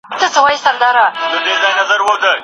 په سخته موده کي دغو منابعو خلک وژغورل.